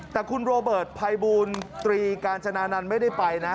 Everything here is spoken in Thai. แต่คุณโรเบิร์ตภัยบูลตรีกาญจนานันต์ไม่ได้ไปนะ